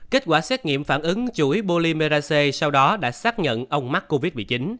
kết quả xét nghiệm phản ứng chuỗi bolimerac sau đó đã xác nhận ông mắc covid một mươi chín